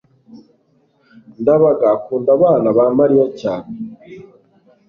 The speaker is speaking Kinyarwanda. ndabaga akunda abana ba mariya cyane